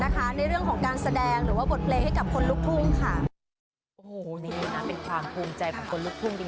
ในเรื่องของการแสดงหรือว่าบทเพลงให้กับคนลุกทุ่งค่ะ